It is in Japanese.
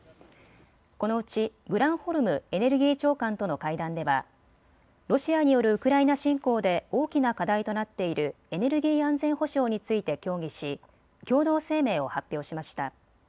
このうちグランホルムエネルギー長官との会談ではロシアによるウクライナ侵攻で大きな課題となっているエネルギー安全保障について協議し、共同声明を発表しました。